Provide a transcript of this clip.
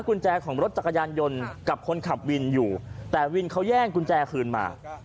กุญแจของรถจักรยานยนต์กับคนขับวินอยู่แต่วินเขาแย่งกุญแจคืนมา